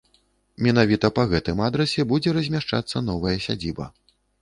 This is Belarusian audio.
Менавіта па гэтым адрасе будзе размяшчацца новая сядзіба.